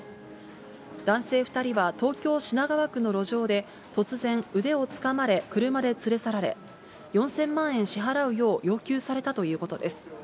男性２人は東京・品川区の路上で、突然、腕をつかまれ、車で連れ去られ、４０００万円支払うよう要求されたということです。